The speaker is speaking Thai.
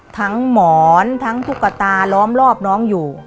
หมอนทั้งตุ๊กตาล้อมรอบน้องอยู่